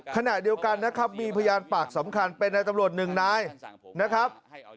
ขณะเดียวกันนะครับมีพยานปากสำคัญเป็นในตำรวจหนึ่งนายนะครับ